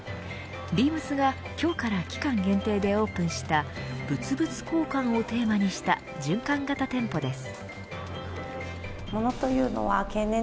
ビームスが今日から期間限定でオープンした物々交換をテーマにした循環型店舗です。